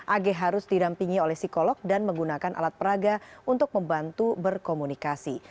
ag harus didampingi oleh psikolog dan menggunakan alat peraga untuk membantu berkomunikasi